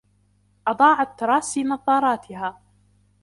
أضاعت تراسي نظارتها.